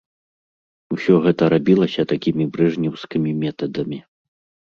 Усё гэта рабілася такімі брэжнеўскімі метадамі.